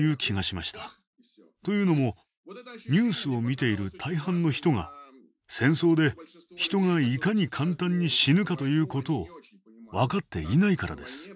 というのもニュースを見ている大半の人が戦争で人がいかに簡単に死ぬかということを分かっていないからです。